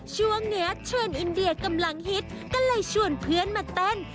ช่วงนี้เทรนด์อินเดียกำลังฮิตก็เลยชวนเพื่อนมาเต้น